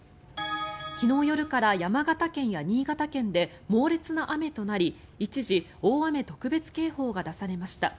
昨日夜から山形県や新潟県で猛烈な雨となり一時、大雨特別警報が出されました。